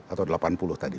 atau delapan puluh tadi